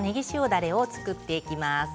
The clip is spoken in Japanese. だれを作っていきます。